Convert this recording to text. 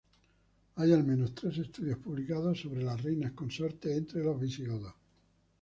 Hay al menos tres estudios publicados sobre las reinas consortes entre los visigodos.